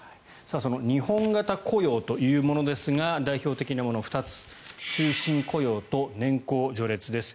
その日本型雇用というものですが代表的なもの２つ終身雇用と年功序列です。